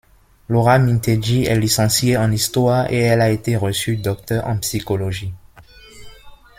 Laura Mintegi est licenciée en histoire et elle a été reçue docteur en psychologie.